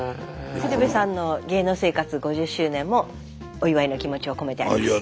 鶴瓶さんの芸能生活５０周年もお祝いの気持ちを込めてあります。